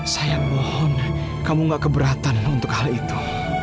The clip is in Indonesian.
sayang mohon kamu gak keberatan untuk hal itu